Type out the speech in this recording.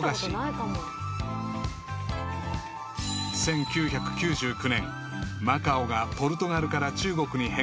［１９９９年マカオがポルトガルから中国に返還］